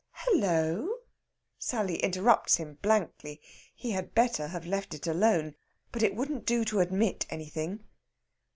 "Hullo!" Sally interrupts him blankly. He had better have let it alone. But it wouldn't do to admit anything.